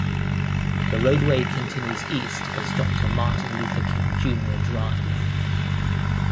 The roadway continues east as Doctor Martin Luther King Junior Drive.